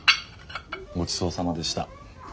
ごちそうさまでした。